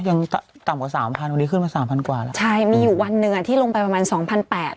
ยังต่ำกว่าสามพันวันนี้ขึ้นมาสามพันกว่าแล้วใช่มีอยู่วันหนึ่งอ่ะที่ลงไปประมาณสองพันแปด